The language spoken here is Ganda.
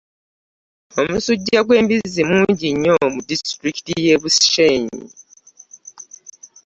Omusujja gwe mbizzi mungi nnyo mu disiturikiti y'e Bushenyi.